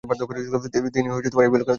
তিনি এই বই লিখেন।